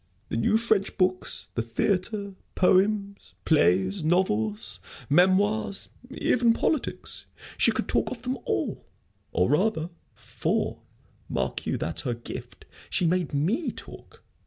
The new French books, the theatre, poems, plays, novels, memoirs, even politics, she could talk of them all; or, rather for, mark you, that's her gift she made me talk.